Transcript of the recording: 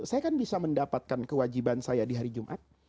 saya kan bisa mendapatkan kewajiban saya di hari jumat